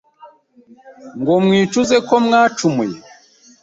Ngo mwicuze ko mwacumuye?